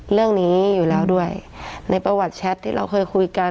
เรื่องนี้อยู่แล้วด้วยในประวัติแชทที่เราเคยคุยกัน